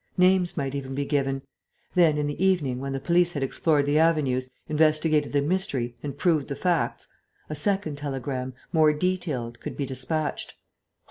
Names might even be given.... Then, in the evening, when the police had explored the avenues, investigated the mystery, and proved the facts, a second telegram, more detailed, could be despatched.